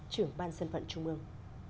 trưởng ban dân vận trung ương